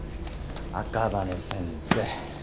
赤羽先生